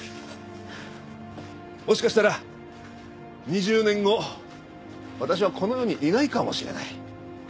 もしかしたら２０年後私はこの世にいないかもしれない。